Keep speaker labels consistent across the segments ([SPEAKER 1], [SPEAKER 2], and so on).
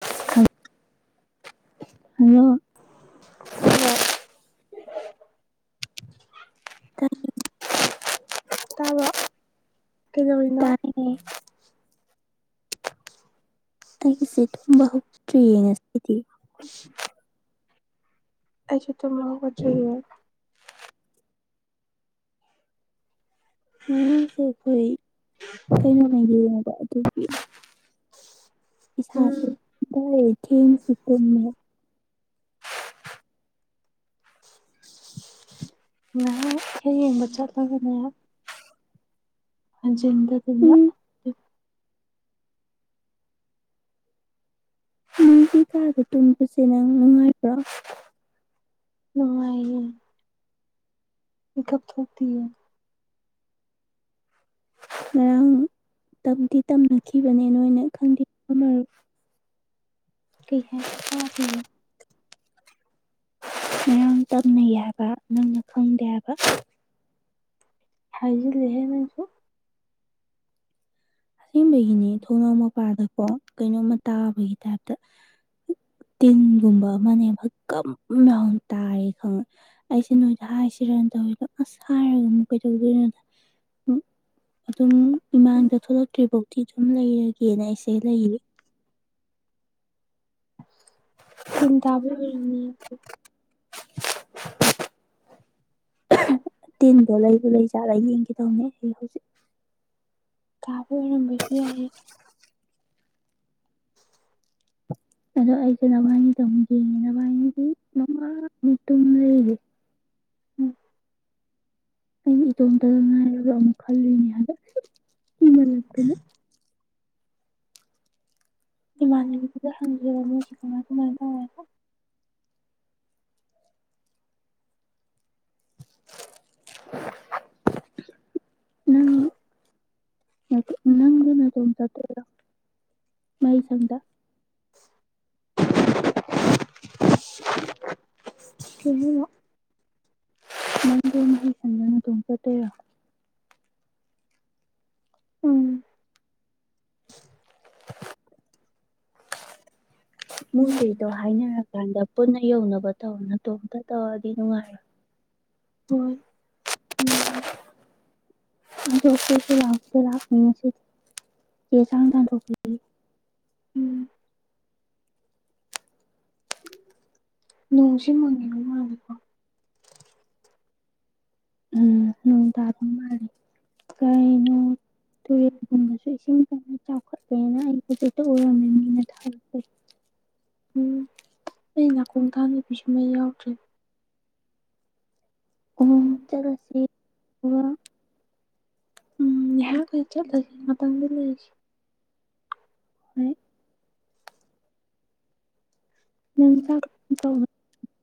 [SPEAKER 1] ꯈꯪ ꯍꯂꯣ
[SPEAKER 2] ꯇꯥꯕ꯭ꯔꯣ ꯇꯥꯕ꯭ꯔꯣ
[SPEAKER 1] ꯎꯝ ꯇꯑꯩꯒꯤꯁꯦ ꯇꯨꯝꯕ ꯍꯧꯒꯠꯇ꯭ꯔꯤꯌꯦ ꯉꯁꯤꯗꯤ
[SPEAKER 2] ꯑꯩꯖꯨ ꯇꯨꯝꯕ ꯍꯧꯒꯠꯇ꯭ꯔꯤꯌꯦ
[SPEAKER 1] ꯉꯔꯥꯡꯁꯦ ꯑꯩꯈꯣꯢ ꯀꯩꯅꯣꯝ ꯌꯦꯉꯦꯕ ꯑꯗꯨꯒꯤ ꯏꯁꯥꯥꯁꯦ [unintelligible] ꯊꯦꯡꯅꯁꯨ ꯇꯝꯃꯦ
[SPEAKER 2] ꯉꯔꯥꯡ ꯏꯁꯩ ꯌꯦꯡꯕ ꯆꯠꯂꯒꯅꯦ ꯍꯟꯖꯤꯟꯗꯗꯤꯅ
[SPEAKER 1] ꯅꯪꯒꯤ ꯀꯥꯗ ꯇꯨꯝꯕꯖꯦ ꯅꯪ ꯅꯨꯡꯉꯥꯢꯕ꯭ꯔꯣ
[SPEAKER 2] ꯅꯨꯡꯉꯥꯢꯌꯦ ꯃꯤꯀꯞ ꯊꯣꯛꯇꯤꯌꯦ
[SPEAKER 1] ꯉꯔꯥꯡ ꯇꯝꯗꯤ ꯇꯝꯅꯈꯤꯕꯅꯦ ꯅꯣꯢꯅ ꯈꯪꯗꯤ ꯈꯪꯉꯃꯔꯣꯢ
[SPEAKER 2] ꯀꯩ ꯍꯥꯢꯕ ꯇꯥꯗꯤꯌꯦ
[SPEAKER 1] ꯉꯔꯥꯡ ꯇꯝꯅꯩ ꯍꯥꯢꯕ ꯅꯪꯅ ꯈꯪꯗꯦ ꯍꯥꯢꯕ
[SPEAKER 2] ꯍꯥꯢꯖꯤꯜꯂꯦꯍꯦ ꯅꯪꯁꯨ
[SPEAKER 1] ꯑꯁꯦꯡꯕꯒꯤꯅꯤ ꯊꯣꯡꯅꯥꯎ ꯃꯄꯥꯗꯀꯣ ꯀꯩꯅꯣꯝꯃ ꯇꯥꯕꯒꯤ ꯇꯥꯏꯞꯇ ꯇꯤꯟꯒꯨꯝꯕ ꯑꯃꯅꯦꯕ ꯀꯝ ꯂꯥꯎ ꯇꯥꯢ ꯈꯪꯉ ꯑꯩꯁꯦ ꯅꯣꯢꯗ ꯍꯥꯢꯁꯤꯔꯅ ꯇꯧꯋꯦꯕ ꯑꯁ ꯍꯥꯏꯔꯒ ꯑꯃꯨꯛ ꯀꯩꯗꯧꯗꯣꯢꯅꯣꯗ ꯎꯝ ꯑꯗꯨꯝ ꯏꯃꯥꯡꯗ ꯊꯣꯛꯂꯛꯇ꯭ꯔꯤ ꯐꯧꯗꯤ ꯑꯗꯨꯝ ꯂꯩꯔꯒꯦꯅ ꯑꯩꯁꯦ ꯂꯩꯌꯦ
[SPEAKER 2] [unintelligible] ꯇꯥꯕ ꯑꯣꯢꯔꯝꯅꯤꯌꯦ
[SPEAKER 1] [inaudible] ꯇꯤꯟꯗꯣ ꯂꯩꯕꯨ ꯂꯩꯖꯥꯠꯂꯥ ꯌꯦꯡꯒꯦꯗꯧꯅꯦ ꯑꯩ ꯍꯧꯖꯤꯛ
[SPEAKER 2] ꯀꯥꯕꯩ ꯑꯣꯢꯔꯝꯕꯁꯨ ꯌꯥꯏꯌꯦ
[SPEAKER 1] ꯑꯗꯣ ꯑꯩꯁꯦ ꯅꯕꯥꯅꯤꯗ ꯑꯃꯨꯛ ꯌꯦꯡꯉꯦ ꯅꯕꯥꯅꯤꯗꯤ ꯃꯃꯥꯡ [unintelligible] ꯂꯩꯔꯦ
[SPEAKER 2] [unintelligible]
[SPEAKER 1] ꯑꯩꯩ ꯏꯇꯣꯝꯇ ꯉꯥꯏꯔꯕ꯭ꯔꯥ ꯑꯃꯨꯛ ꯈꯂꯨꯢꯅꯤ ꯍꯥꯏꯕ ꯀꯤꯃꯜꯂꯛꯇꯅ
[SPEAKER 2] ꯏꯃꯥꯟꯅꯕꯤꯗꯨꯗ ꯍꯪꯖꯤꯔ ꯃꯣꯏꯁꯦ ꯀꯃꯥꯏ ꯀꯃꯥꯏꯅ ꯇꯧꯋꯦꯅ
[SPEAKER 1] ꯅꯪ [unintelligible] ꯅꯪꯖꯨ ꯅꯇꯣꯝꯇ ꯆꯠꯇꯣꯏꯔꯣ ꯃꯩ ꯁꯪꯗ [inaudible]
[SPEAKER 2] [unintelligible]
[SPEAKER 1] ꯅꯪꯖꯨ ꯃꯍꯩꯁꯪꯗ ꯅꯇꯣꯝ ꯆꯠꯇꯣꯏꯔꯣ
[SPEAKER 2] ꯎꯝ
[SPEAKER 1] [inaudible] ꯃꯣꯏꯒꯩꯗꯣ ꯍꯥꯏꯅꯔꯀꯥꯟꯗ ꯄꯨꯟꯅ ꯌꯧꯅꯕ ꯇꯧ ꯅꯇꯣꯝꯇ ꯇꯧꯔꯗꯤ ꯅꯨꯡꯉꯥꯏꯔꯣꯢ
[SPEAKER 2] ꯍꯣꯏ ꯎꯝ
[SPEAKER 1] ꯑꯗꯣ ꯑꯈꯣꯏꯖꯨ ꯂꯥꯛ [unintelligible] ꯂꯥꯡꯅꯤꯡꯉꯤ ꯉꯁꯤꯗꯤ ꯆꯦ ꯆꯥꯡ ꯇꯥꯟꯊꯣꯛꯄꯒꯤ
[SPEAKER 2] ꯅꯣꯡꯁꯤ ꯃꯪꯉꯤꯕ ꯃꯥꯜꯂꯦꯀꯣ
[SPEAKER 1] ꯎꯝ ꯅꯣꯡ ꯇꯥꯕ ꯃꯥꯜꯂꯤ ꯀꯩꯅꯣ ꯇꯨꯔꯦꯟꯒꯨꯝꯕꯖꯨ ꯏꯁꯤꯡ [unintelligible] ꯆꯥꯎꯈꯠꯂꯦꯅ ꯑꯩ ꯍꯧꯖꯤꯛꯇ ꯎꯔꯝꯃꯤ ꯃꯤꯅ ꯊꯥꯔꯛꯄꯩ
[SPEAKER 2] ꯎꯝ ꯑꯩ ꯅꯥꯀꯣꯡ [unintelligible] ꯃꯩ ꯌꯥꯎꯗ꯭ꯔꯦ
[SPEAKER 1] ꯑꯣ ꯆꯠꯂꯁꯦ ꯑꯗꯨꯒ
[SPEAKER 2] ꯎꯝ ꯉꯥꯢꯍꯥꯛ ꯂꯩ ꯆꯠꯂꯖꯦ ꯉꯥꯛꯇꯪꯗꯤ ꯂꯩꯖꯤ
[SPEAKER 1] ꯍꯨꯝ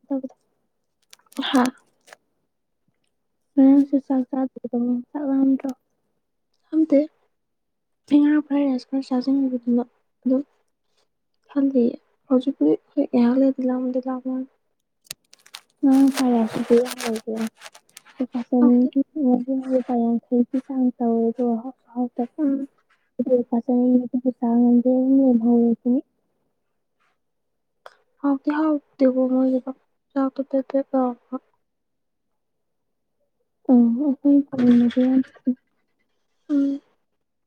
[SPEAKER 1] ꯇꯧꯗꯦ
[SPEAKER 2] ꯍꯥ
[SPEAKER 1] ꯉꯔꯥꯡꯁꯨ ꯆꯥꯛ ꯆꯥꯗꯦ [unintelligible] ꯆꯥꯛ ꯂꯥꯝꯗ꯭ꯔꯣ
[SPEAKER 2] ꯂꯥꯝꯗꯦ ꯑꯩ ꯉꯔꯥꯡ ꯐ꯭ꯔꯥꯏ ꯔꯥꯏꯁ ꯈꯔ ꯆꯥꯖꯤꯟꯂꯨꯕꯗꯨꯅ ꯑꯗꯨꯝ ꯈꯪꯗꯤꯌꯦ ꯍꯧꯖꯤꯛꯄꯨꯇꯤ ꯍꯣꯢ ꯉꯥꯢꯍꯥꯛ ꯂꯩꯔꯗꯤ ꯂꯥꯝꯕꯨꯗꯤ ꯂꯥꯝꯃꯛꯑꯥꯅꯤ
[SPEAKER 1] [unintelligible] [unintelligible]
[SPEAKER 2] ꯎꯝ
[SPEAKER 1] [unintelligible] ꯂꯨꯄꯥ ꯆꯅꯤꯒꯤ [unintelligible] ꯆꯥ ꯉꯝꯗꯦ ꯂꯦꯝꯍꯧꯔꯦ ꯑꯗꯨꯒꯤ
[SPEAKER 2] ꯍꯥꯎꯗꯤ ꯍꯥꯎꯇꯦꯀꯣ ꯃꯣꯢꯒꯤꯗꯣ ꯆꯥꯛꯇꯣ ꯄꯦꯄꯦꯠ ꯂꯥꯎꯔꯒ
[SPEAKER 1] [unintelligible]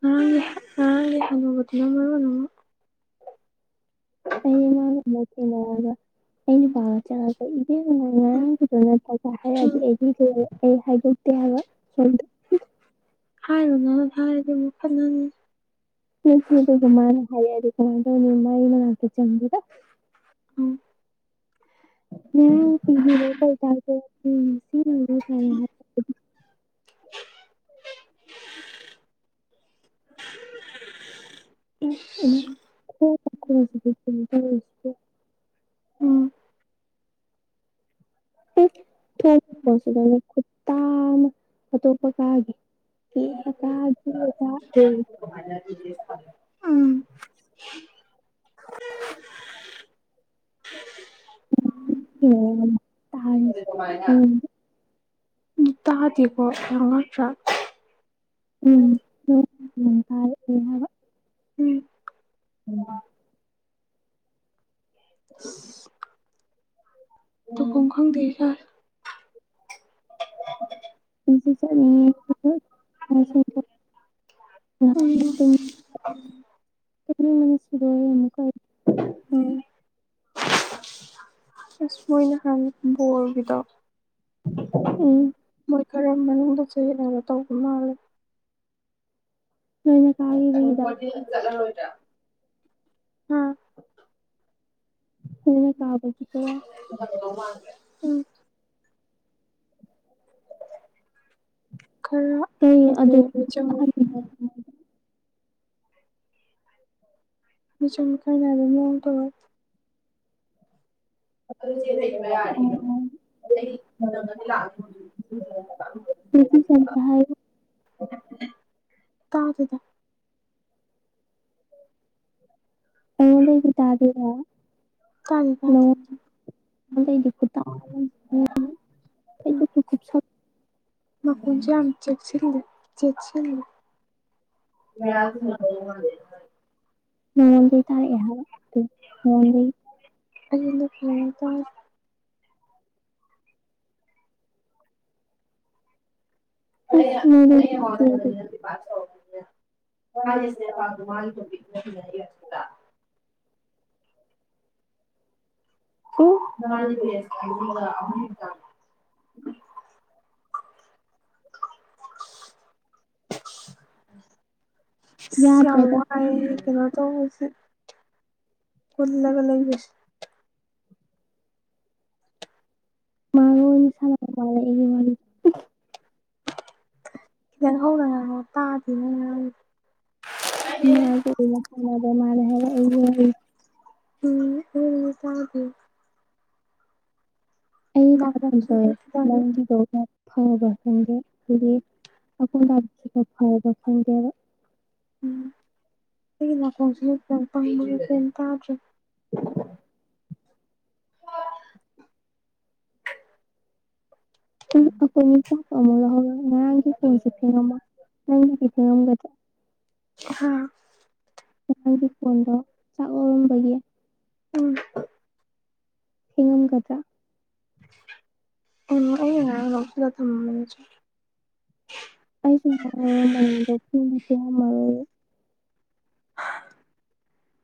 [SPEAKER 2] ꯉꯔꯥꯡꯒꯤ ꯉꯔꯥꯡꯒꯤ ꯍꯅꯨꯕꯗꯨꯅ ꯃꯔꯣꯟ ꯑꯃ
[SPEAKER 1] ꯑꯩ ꯃꯥꯒ ꯑꯃꯨꯛ‌ ꯊꯦꯡꯅꯩ ꯍꯥꯏꯕ ꯑꯩ ꯅꯨꯄꯥꯒ ꯆꯠꯂꯒ ꯢꯕꯦꯝꯃ ꯅꯪ ꯉꯔꯥꯡꯒꯤꯗꯣ ꯅꯠꯇ꯭ꯔꯒ ꯍꯥꯢꯔꯛꯑꯥꯗꯤ ꯑꯩ [unintelligible] ꯑꯩ ꯍꯥꯏꯗꯣꯛꯇꯦ ꯍꯥꯢꯕ ꯁꯣꯝꯗ
[SPEAKER 2] ꯍꯥꯏꯔꯨꯅꯣ ꯍꯥꯏꯔꯗꯤ ꯑꯃꯨꯛ ꯈꯠꯅꯅꯤ
[SPEAKER 1] [unintelligible] ꯀꯃꯥꯢ ꯇꯧꯅꯤ ꯃꯥꯢ ꯃꯅꯥꯛꯇ ꯆꯪꯕꯗ
[SPEAKER 2] ꯎꯝ
[SPEAKER 1] [unintelligible]
[SPEAKER 2] [inaudible] ꯢꯁ
[SPEAKER 1] [unintelligible]
[SPEAKER 2] ꯎꯝ
[SPEAKER 1] [unintelligible] ꯑꯇꯣꯞꯄ ꯀꯥꯒꯤ [unintelligible]
[SPEAKER 2] ꯑꯪ
[SPEAKER 1] ꯑꯣ ꯇꯥꯏ ꯎꯝ
[SPEAKER 2] ꯇꯥꯗꯦꯀꯣ ꯌꯥꯝ ꯉꯛꯇ꯭ꯔꯥ
[SPEAKER 1] ꯎꯝ [unintelligible]
[SPEAKER 2] ꯎꯝ
[SPEAKER 1] [unintelligible]
[SPEAKER 2] [unintelligible] ꯇꯧꯐꯝ ꯈꯪꯗꯦꯗ [inaudible]
[SPEAKER 1] [unintelligible] ꯍꯤꯞꯅꯤꯡꯕꯅ ꯁꯤꯗꯣꯔꯦ ꯑꯃꯨꯀ
[SPEAKER 2] ꯎꯝ ꯑꯁ ꯃꯣꯏ ꯅꯍꯥꯟ ꯕꯣꯜꯒꯤꯗꯣ
[SPEAKER 1] ꯎꯝ
[SPEAKER 2] ꯃꯣꯏ ꯈꯔ ꯃꯅꯨꯡꯗ ꯆꯌꯦꯠꯅꯕ ꯇꯧꯕ ꯃꯥꯜꯂꯦ
[SPEAKER 1] ꯅꯣꯏꯅ ꯀꯥꯒꯤꯕꯒꯤꯗꯣ
[SPEAKER 2] ꯆꯠꯂꯔꯣꯏꯗ꯭ꯔ
[SPEAKER 1] [unintelligible]
[SPEAKER 2] ꯎꯝ ꯈꯔ ꯍꯥꯏꯗꯤ ꯃꯤꯆꯪ ꯃꯤꯆꯪ ꯃꯤꯈꯥꯏ ꯅꯥꯏꯕ ꯃꯑꯣꯡ ꯇꯧꯔꯛ ꯑꯗꯨ ꯆꯦꯗ ꯏꯕ ꯌꯥꯔꯗꯤ ꯏꯔꯝꯃꯣ ꯑꯩ ꯅꯪꯉꯗꯤ [unintelligible] ꯇꯥꯗꯦꯗ
[SPEAKER 1] ꯑꯩꯉꯣꯟꯗꯩꯗꯤ ꯇꯥꯗꯦꯅ
[SPEAKER 2] ꯀꯥꯅꯤꯗ ꯑꯗꯨꯝ
[SPEAKER 1] [unintelligible]
[SPEAKER 2] ꯃꯈꯣꯟꯖꯤ ꯌꯥꯝ ꯆꯦꯛꯁꯤꯜꯂꯤ ꯆꯦꯛꯁꯤꯜꯂꯤ
[SPEAKER 1] ꯃꯣꯟꯗꯒꯤ ꯇꯥꯔꯛꯑꯦ ꯍꯥꯏꯕ ꯃꯣꯟꯗꯒꯤ
[SPEAKER 2] ꯑꯗꯨ [unintelligible] ꯑꯩꯅ ꯑꯩꯅ [unintelligible] [unintelligible] ꯃꯥꯗꯤ ꯄꯦꯖ ꯑꯅꯤꯒ ꯑꯍꯨꯝ ꯈꯛꯇꯪ
[SPEAKER 1] [inaudible]
[SPEAKER 2] ꯏꯁ ꯌꯥꯝ ꯋꯥꯔꯦꯍꯦ ꯀꯩꯅꯣ ꯇꯧꯕꯁꯦ ꯀꯨꯜꯂꯒ ꯂꯩꯕꯁꯦ
[SPEAKER 1] ꯃꯥꯔꯣꯟ [unintelligible] ꯋꯥꯔꯤ
[SPEAKER 2] ꯈꯤꯇꯪ ꯍꯧꯅ ꯉꯥꯛꯉꯛꯑꯣ ꯇꯥꯗꯤꯑꯦ ꯅꯪꯅ ꯉꯥꯡꯉꯤꯗꯣ
[SPEAKER 1] ꯏꯃꯥꯗꯣ [unintelligible]
[SPEAKER 2] ꯎꯝ ꯑꯃꯨꯃꯨꯛ ꯇꯥꯗꯦ
[SPEAKER 1] ꯑꯩ [unintelligible] ꯐꯕ ꯈꯪꯗꯦ ꯑꯗꯨꯗꯤ ꯑꯩꯀꯣꯟꯕꯁꯤꯗ ꯐꯕ ꯈꯪꯗꯦ
[SPEAKER 2] ꯎꯝ ꯑꯩꯒꯤ ꯅꯥꯀꯣꯡꯁꯤ ꯂꯣꯏꯟ ꯄꯪꯂꯦ ꯀꯤꯝ ꯇꯥꯗ꯭ꯔꯦ
[SPEAKER 1] ꯑꯩꯈꯣꯏ ꯃꯤ ꯆꯥꯛꯀ ꯑꯃ ꯂꯧꯍꯧꯔꯣꯏ ꯉꯔꯥꯡꯒꯤ ꯀꯣꯟꯁꯦ ꯐꯦꯡꯉꯝꯃꯣꯏ ꯅꯪꯒꯤꯗꯤ ꯐꯦꯡꯉꯝꯒꯗ꯭ꯔꯥ
[SPEAKER 2] ꯍꯥꯥ
[SPEAKER 1] ꯅꯪꯒꯤ ꯀꯣꯟꯗꯣ ꯆꯥꯛ ꯂꯧꯔꯝꯕꯒꯤ ꯐꯦꯡꯉꯝꯒꯗ꯭ꯔꯥ
[SPEAKER 2] ꯑꯪ ꯑꯩꯅ ꯉꯔꯥꯡ ꯂꯧꯁꯜꯂ ꯊꯝꯃꯝꯕꯅꯤ ꯆꯥꯛ
[SPEAKER 1] ꯑꯩꯥꯁꯨ ꯐꯝꯃꯝꯕꯅꯦ ꯑꯗꯨ ꯄꯨꯡꯗꯤ ꯊꯦꯡꯉꯝꯃꯔꯣꯏ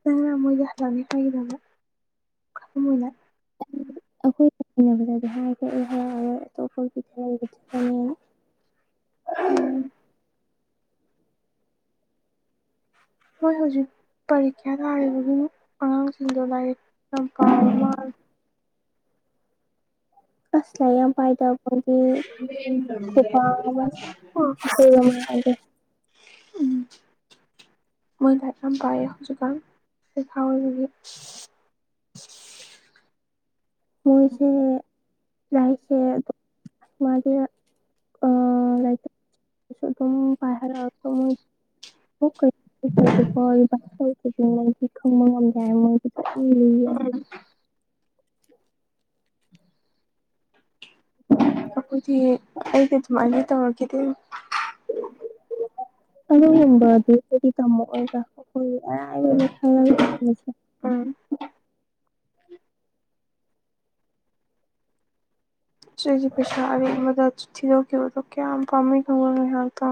[SPEAKER 2] ꯑꯩ ꯉꯔꯥꯡ ꯃꯣꯏꯗ ꯍꯜꯂꯒꯦ ꯈꯜꯂꯤꯗꯨꯒ ꯈꯪꯅꯤꯅꯦ
[SPEAKER 1] ꯑꯈꯣꯏ ꯄꯨꯄꯨꯗꯗꯤ ꯍꯥꯏꯒ꯭ꯔꯦ ꯑꯩ ꯍꯥꯏꯔꯔꯣꯏ ꯑꯗꯣ ꯄꯨꯄꯨ ꯄꯨ [inaudible]
[SPEAKER 2] ꯎꯝ ꯃꯣꯏ ꯍꯧꯖꯤꯛ ꯄꯔꯤꯈ꯭ꯌꯥ ꯊꯥꯔꯤꯕꯒꯤ ꯑꯉꯥꯡꯁꯤꯡꯗꯣ ꯂꯥꯏꯔꯤꯛ ꯌꯥꯝ ꯄꯥꯕ ꯃꯥꯜꯂꯦ
[SPEAKER 1] ꯑꯁ ꯂꯥꯏꯔꯤꯛ ꯌꯥꯝ ꯄꯥꯏꯗ ꯗꯒꯤ ꯈꯨꯄꯥ ꯑꯃ [unintelligible] [inaudible]
[SPEAKER 2] ꯃꯣꯏ ꯂꯥꯏꯛ ꯌꯥꯝ ꯄꯥꯏ ꯍꯧꯖꯤꯛꯀꯥꯟ ꯄꯩꯈꯥ ꯑꯣꯏꯕꯒꯤ
[SPEAKER 1] ꯃꯣꯏꯁꯦ ꯂꯥꯏꯔꯤꯛꯁꯦ ꯃꯥꯒꯤꯌꯥ [unintelligible] [unintelligible] ꯈꯪꯕ ꯉꯝꯗꯦ [unintelligible]
[SPEAKER 2] ꯑꯈꯣꯏꯗꯤ ꯑꯩꯗꯤ ꯑꯗꯨꯃꯥꯏꯅ ꯇꯧꯔꯈꯤꯗꯦ
[SPEAKER 1] ꯑꯗꯨꯒꯨꯝꯕꯗꯨ ꯑꯈꯣꯏꯗꯤ ꯇꯝꯃꯛꯑꯣꯏꯗ ꯑꯈꯣꯏꯗꯤ ꯀꯔꯥꯏꯗꯒꯤ [unintelligible]
[SPEAKER 2] ꯄꯥ ꯏꯆꯦꯖꯦ ꯄꯩꯁꯥ ꯑꯔꯦꯝꯕꯗ ꯊꯤꯗꯣꯛꯈꯤꯕꯗꯣ ꯀꯌꯥꯝ ꯄꯥꯝꯃꯨꯏ ꯈꯪꯕ꯭ꯔ ꯉꯥꯏꯍꯥꯛꯇꯣ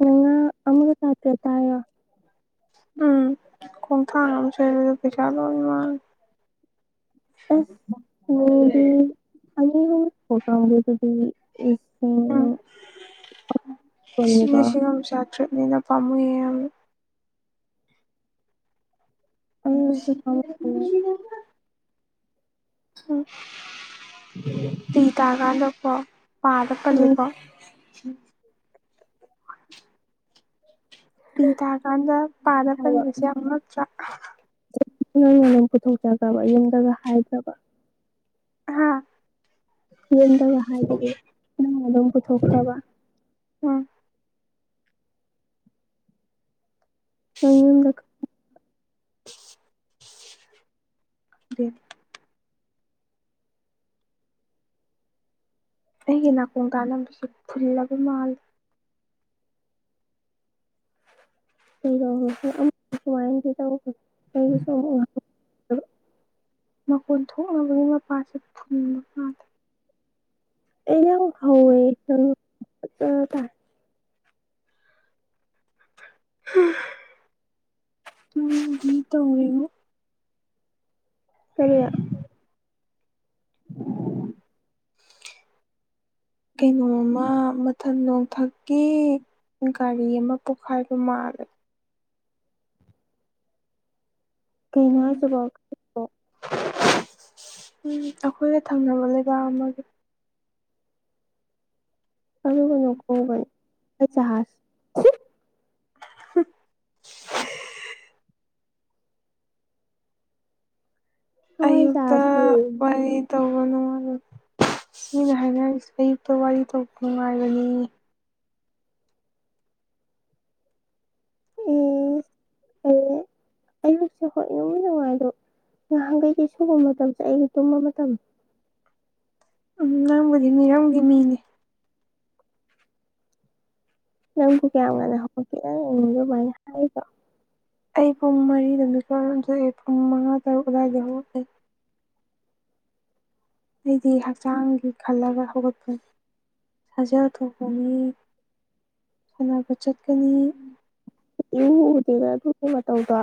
[SPEAKER 1] ꯅꯪ ꯑꯃꯒ ꯆꯥꯇꯦꯠ ꯆꯥꯏꯔꯣ
[SPEAKER 2] ꯎꯝ ꯈꯣꯡꯊꯥꯡ ꯑꯃ ꯁꯣꯏꯕꯗ ꯄꯩꯁꯥ ꯂꯣꯏꯟ ꯃꯥꯡ
[SPEAKER 1] ꯑꯁ ꯂꯨꯔꯤ [unintelligible] [unintelligible]
[SPEAKER 2] ꯂꯤꯁꯤꯡ ꯑꯃ ꯆꯥꯇ꯭ꯔꯦꯠꯅꯤꯅ ꯄꯥꯝꯃꯨꯑꯦ ꯌꯥꯝꯅ
[SPEAKER 1] [unintelligible]
[SPEAKER 2] [unintelligible] ꯄꯤ ꯇꯥꯀꯥꯟꯗꯀꯣ ꯄꯥꯗ ꯄꯜꯂꯤꯀꯣ ꯄꯤ ꯇꯒꯥꯟꯗ ꯄꯥꯗ ꯄꯜꯂꯤꯁꯦ ꯉꯛꯇ꯭ꯔꯥ
[SPEAKER 1] ꯅꯪꯅ ꯑꯗꯨꯝ ꯄꯨꯊꯣꯛ ꯆꯈ꯭ꯔꯕ ꯌꯨꯝꯗꯒ ꯍꯥꯏꯗ꯭ꯔꯕ
[SPEAKER 2] ꯍꯥꯥ
[SPEAKER 1] ꯌꯨꯝꯗꯒ ꯍꯥꯏꯗꯕꯤ ꯅꯪ ꯑꯗꯨꯝ ꯄꯨꯊꯣꯛꯈ꯭ꯔꯕ
[SPEAKER 2] ꯎꯝ [inaudible] [unintelligible] ꯑꯩꯒꯤ ꯅꯥꯀꯣꯡ ꯇꯥꯅꯕꯁꯤ ꯐꯨꯜꯂꯕ ꯃꯥꯜꯂꯤ
[SPEAKER 1] ꯑꯩ ꯕꯥꯎ ꯉꯁꯥꯏ [unintelligible]
[SPEAKER 2] ꯃꯈꯣꯟ ꯊꯣꯛꯅꯕꯒꯤ ꯃꯄꯥꯁꯦ ꯐꯨꯟꯕ ꯃꯥꯜꯂꯦ ꯎꯝ
[SPEAKER 1] [unintelligible]
[SPEAKER 2] ꯇꯨꯝꯅꯤꯡꯒꯨꯝ ꯇꯧꯏꯉꯣ
[SPEAKER 1] ꯀꯔꯤ
[SPEAKER 2] ꯀꯩꯅꯣꯝꯃ ꯃꯠ ꯊꯥ ꯅꯣꯡꯊꯛꯀꯤ ꯒꯥꯔꯤ ꯑꯃ ꯄꯣꯛꯈꯥꯏꯕ ꯃꯥꯜꯂꯦ
[SPEAKER 1] ꯀꯩꯅꯣ ꯍꯥꯏꯁꯤꯕꯣ
[SPEAKER 2] ꯎꯝ ꯑꯈꯣꯏꯒ ꯊꯪꯅꯕ ꯂꯩꯕꯥꯛ ꯑꯃꯒꯤ
[SPEAKER 1] [unintelligible]
[SPEAKER 2] [unintelligible] ꯑꯌꯨꯛꯇ ꯑꯣꯏ ꯇꯧꯕ ꯅꯨꯡꯉꯥꯏꯕ ꯃꯤꯅ ꯍꯥꯏꯅꯔꯤꯁꯤ ꯑꯌꯨꯛꯇ ꯋꯥꯔꯤ ꯇꯧꯕ ꯅꯨꯡꯉꯥꯏꯕꯅꯤ
[SPEAKER 1] ꯎꯝ ꯑꯣ ꯑꯌꯨꯛꯁꯦ ꯍꯣꯏ ꯅꯨꯡꯗꯤ ꯅꯨꯡꯉꯥꯏ ‌ꯑꯗꯣ ꯉꯍꯥꯟꯒꯩꯗꯤ ꯁꯨꯕ ꯃꯇꯝꯁꯦ ꯑꯩꯒꯤ ꯇꯨꯝꯕ ꯃꯇꯝ
[SPEAKER 2] ꯎꯝ ꯅꯪꯕꯨꯗꯤ ꯃꯤꯔꯝꯒꯤ ꯃꯤꯅꯤ
[SPEAKER 1] ꯅꯪꯕꯨ ꯀꯌꯥꯝ ꯉꯟꯅ ꯍꯧꯒꯠꯀꯦ ꯅꯪꯅ ꯑꯩꯉꯣꯟꯗ ꯑꯗꯨꯃꯥꯏꯅ ꯍꯥꯏꯔꯤꯗꯣ
[SPEAKER 2] ꯑꯩ ꯄꯨꯡ ꯃꯔꯤꯗ ꯃꯤꯀꯞ ꯑꯗꯨꯝ ꯊꯣꯛꯑꯦ ꯄꯨꯡ ꯃꯉꯥ ꯇꯔꯨꯛ ꯑꯗꯨꯋꯥꯏꯗ ꯍꯧꯒꯠꯂꯦ ꯑꯩꯗꯤ ꯍꯛꯆꯥꯡꯒꯤ ꯈꯜꯂꯒ ꯍꯧꯒꯠꯄꯅꯤ ꯁꯥꯖꯦꯜ ꯊꯣꯛꯄ ꯃꯤ ꯀꯅꯥꯒ ꯆꯠꯀꯅꯤ
[SPEAKER 1] ꯏꯎ ꯎꯗꯦꯗ ꯑꯗꯨꯨꯝꯕ ꯃꯇꯧꯗꯣ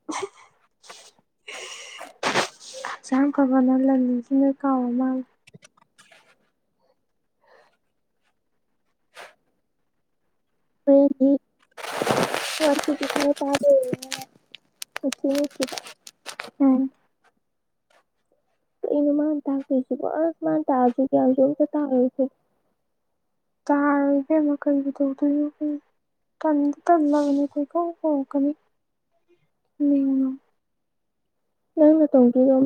[SPEAKER 2] [unintelligible] ꯍꯛꯆꯥꯡ ꯐꯕꯅ ꯂꯟꯅꯤꯁꯤ ꯅꯣꯢ ꯀꯥꯎꯔ ꯃꯥꯜꯂꯦ
[SPEAKER 1] [inaudible] ꯍꯣꯔꯦꯟꯗꯤ [unintelligible] [unintelligible] ꯀꯩꯅꯣ ꯃꯥꯅ ꯇꯥꯛꯇꯣꯢꯁꯤꯕꯣ ꯑꯁ ꯃꯥ ꯇꯥꯛꯑꯗꯤ ꯒ꯭ꯌꯥꯟꯁꯨ ꯑꯝꯇ ꯇꯥꯔꯣꯢꯁꯦ
[SPEAKER 2] ꯇꯥꯔꯣꯏ ꯏꯕꯦꯝꯃꯥ ꯀꯩꯕꯨ ꯇꯧꯗꯣꯏꯅꯣ ꯈꯪ ꯇꯟꯗꯤ ꯇꯜꯂꯕꯅꯦ ꯀꯣꯢꯀꯧ ꯀꯧꯔꯛꯀꯅꯤ ꯃꯤꯡ ꯅꯨꯡ
[SPEAKER 1] ꯅꯪꯅ ꯇꯧꯗꯣꯢꯔꯣꯕ